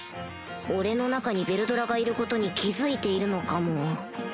俺の中にヴェルドラがいることに気付いているのかも